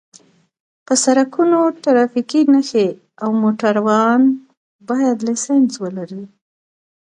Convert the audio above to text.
په سرکونو ټرافیکي نښې او موټروان باید لېسنس ولري